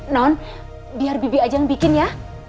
non biar bibi aja yang bikin ya